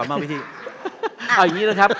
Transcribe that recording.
เอาอย่างนี้นะครับ